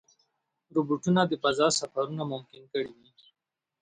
روبوټونه د فضا سفرونه ممکن کړي دي.